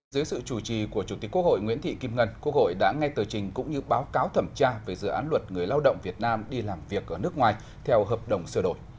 dưới sự chủ trì của chủ tịch quốc hội nguyễn thị kim ngân quốc hội đã nghe tờ trình cũng như báo cáo thẩm tra về dự án luật người lao động việt nam đi làm việc ở nước ngoài theo hợp đồng sửa đổi